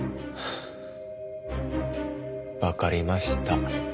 わかりました。